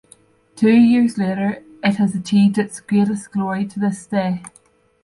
Two years later, it has achieved its greatest glory to this day.